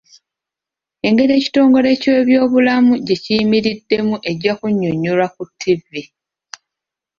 Engeri ekitongole ky'ebyobulamu gye kiyimiriddemu ejja kunyonnyolwa ku TV.